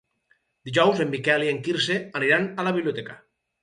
Dijous en Miquel i en Quirze aniran a la biblioteca.